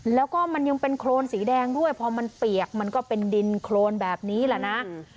แล้วก็มันยังเป็นโครนสีแดงด้วยพอมันเปียกมันก็เป็นดินโครนแบบนี้แหละนะ